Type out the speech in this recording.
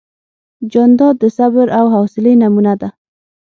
جانداد د صبر او حوصلې نمونه ده.